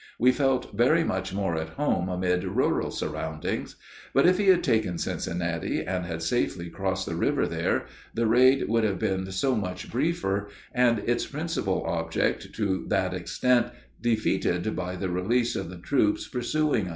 We felt very much more at home amid rural surroundings. But if he had taken Cincinnati, and had safely crossed the river there, the raid would have been so much briefer, and its principal object to that extent defeated by the release of the troops pursuing us.